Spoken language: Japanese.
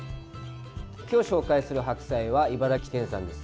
今日紹介する白菜は茨城県産です。